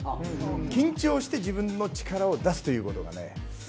緊張して自分の力を出すということですね。